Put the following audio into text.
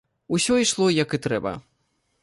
Усё ішло як і трэба.